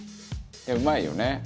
「うまいよね」